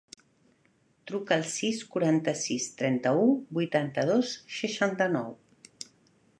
Truca al sis, quaranta-sis, trenta-u, vuitanta-dos, seixanta-nou.